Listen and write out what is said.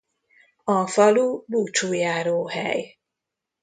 A falu búcsújáróhely.